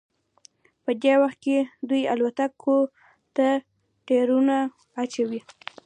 په دې وخت کې دوی الوتکو ته ټیرونه اچوي